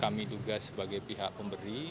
kami duga sebagai pihak pemberi